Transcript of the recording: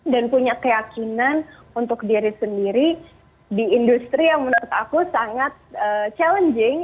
dan punya keyakinan untuk diri sendiri di industri yang menurut aku sangat challenging